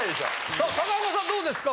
さあ高岡さんどうですか。